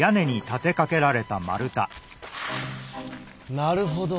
なるほど。